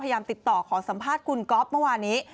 ติดต่อขอสัมภาษณ์คุณก๊อฟเมื่อวานี้